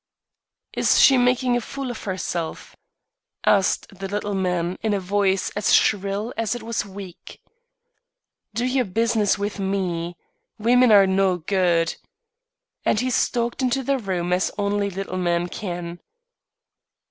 "Is she making a fool of herself?" asked the little man in a voice as shrill as it was weak. "Do your business with me. Women are no good." And he stalked into the room as only little men can.